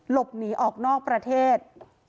หลบหนีออกนอกประเทศ